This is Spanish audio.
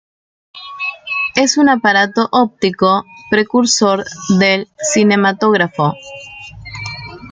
Es un aparato óptico precursor del cinematógrafo.